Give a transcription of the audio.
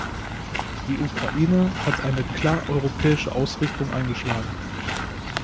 Die Ukraine hat eine klar europäische Ausrichtung eingeschlagen.